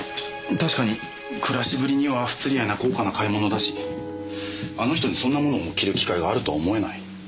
確かに暮らしぶりには不釣り合いな高価な買い物だしあの人にそんなものを着る機会があるとは思えない。